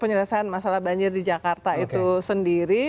penyelesaian masalah banjir di jakarta itu sendiri